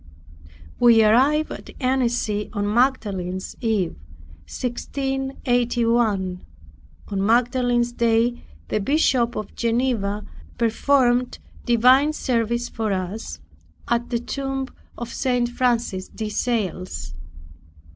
We arrived at Annecy on Magdalene's eve, 1681. On Magdalene's day the Bishop of Geneva performed divine service for us, at the tomb of St. Francis de Sales.